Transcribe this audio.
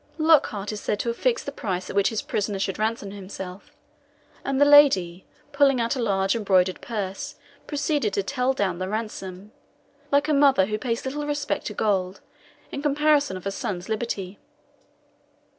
Lockhart is said to have fixed the price at which his prisoner should ransom himself; and the lady, pulling out a large embroidered purse, proceeded to tell down the ransom, like a mother who pays little respect to gold in comparison of her son's liberty.